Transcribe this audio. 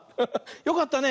よかったね。